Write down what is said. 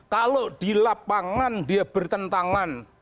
kalau di lapangan dia bertentangan